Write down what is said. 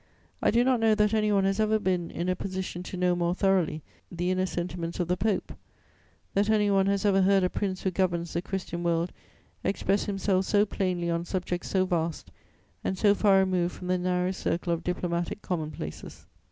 I do not know that any one has ever been in a position to know more thoroughly the inner sentiments of the Pope, that any one has ever heard a prince who governs the Christian world express himself so plainly on subjects so vast and so far removed from the narrow circle of diplomatic commonplaces.